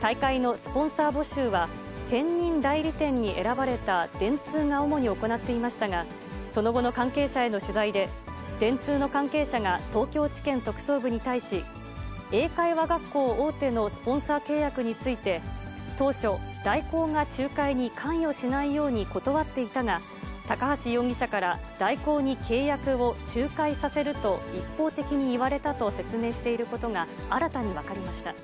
大会のスポンサー募集は、専任代理店に選ばれた電通が主に行っていましたが、その後の関係者への取材で、電通の関係者が、東京地検特捜部に対し、英会話学校大手のスポンサー契約について、当初、大広が仲介に関与しないように断っていたが、高橋容疑者から、大広に契約を仲介させると、一方的に言われたと説明していることが、新たに分かりました。